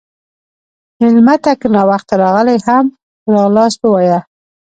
مېلمه ته که ناوخته راغلی، هم ښه راغلاست ووایه.